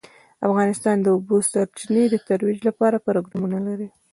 افغانستان د د اوبو سرچینې د ترویج لپاره پروګرامونه لري.